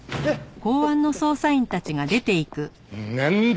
なんだ？